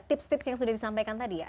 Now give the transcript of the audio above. tips tips yang sudah disampaikan tadi ya